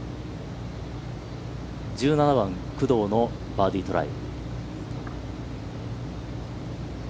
１７番、工藤のバーディートライ。